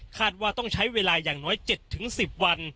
ว่าต้องใช้เวลาอย่างน้อย๗๑๐วัน